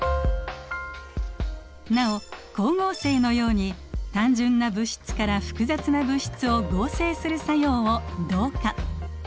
なお光合成のように単純な物質から複雑な物質を合成する作用を「同化」。